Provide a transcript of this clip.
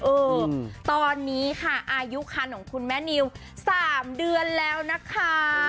เออตอนนี้ค่ะอายุคันของคุณแม่นิว๓เดือนแล้วนะคะ